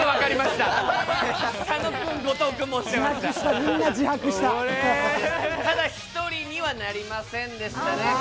ただ、１人にはなりませんでしたね。